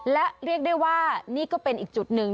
และเรียกได้ว่านี่ก็เป็นอีกจุดหนึ่ง